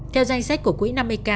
theo danh sách của quỹ năm mươi k